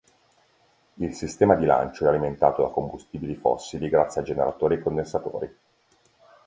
Il sistema di lancio è alimentato da combustibili fossili grazie a generatori e condensatori.